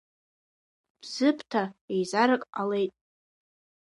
Бзыԥҭа еизарак ҟалеит.